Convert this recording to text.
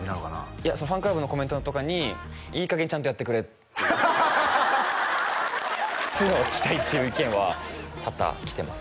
いやファンクラブのコメントとかに「いい加減ちゃんとやってくれ」っていう「普通のがききたい」っていう意見は多々来てます